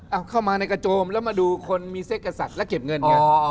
เอาเข้ามาในกระโจมแล้วมาดูคนมีเซ็กกษัตริย์และเก็บเงินไง